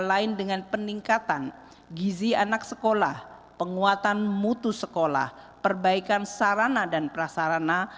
lain dengan peningkatan gizi anak sekolah penguatan mutu sekolah perbaikan sarana dan prasarana